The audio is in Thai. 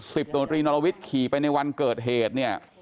สิบตรีนรวิทย์ขี่ไปในวันเกิดเหตุ